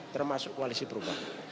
termasuk koalisi perubahan